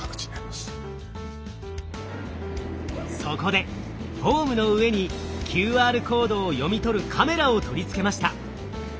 そこでホームの上にＱＲコードを読み取るカメラを取り付けました。